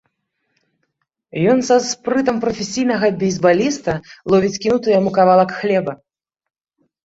Ён са спрытам прафесійнага бейсбаліста ловіць кінуты яму кавалак хлеба.